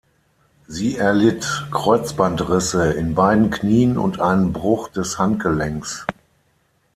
Sie erlitt Kreuzbandrisse in beiden Knien und einen Bruch des Handgelenks.